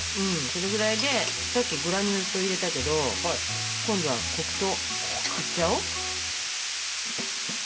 それぐらいでさっきグラニュー糖入れたけど今度は黒糖。